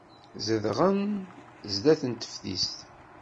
Zedɣen sdat teftist.